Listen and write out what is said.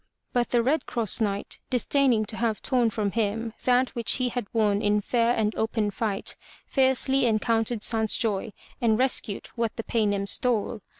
But the Red Cross Knight, disdaining to have torn from him that which he had won in fair and open fight, fiercely encountered Sansjoy and rescued what the Paynim stole.